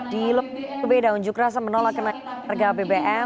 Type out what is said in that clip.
di berbeda unjuk rasa menolak kenaikan harga bbm